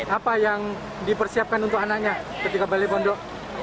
apa yang dipersiapkan untuk anaknya ketika balik pondok